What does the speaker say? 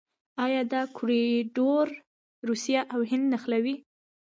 آیا دا کوریډور روسیه او هند نه نښلوي؟